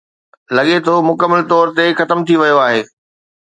لڳي ٿو مڪمل طور تي ختم ٿي ويو آهي.